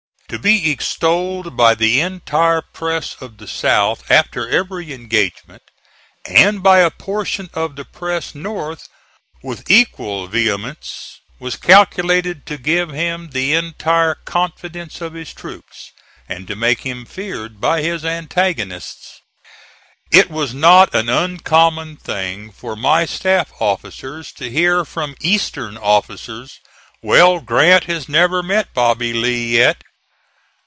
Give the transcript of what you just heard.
To be extolled by the entire press of the South after every engagement, and by a portion of the press North with equal vehemence, was calculated to give him the entire confidence of his troops and to make him feared by his antagonists. It was not an uncommon thing for my staff officers to hear from Eastern officers, "Well, Grant has never met Bobby Lee yet."